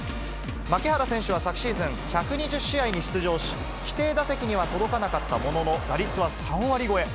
牧原選手は昨シーズン、１２０試合に出場し、規定打席には届かなかったものの、打率は３割超え。